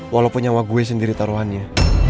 walaupun nyawa gue sendiri taruhannya